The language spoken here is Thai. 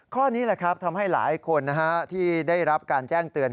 ข้อนี้แหละครับทำให้หลายคนที่ได้รับการแจ้งเตือน